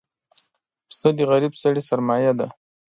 پسه د غریب سړي سرمایه ده.